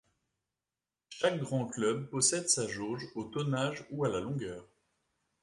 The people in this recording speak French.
Chaque grand club possède sa jauge au tonnage, ou à la longueur.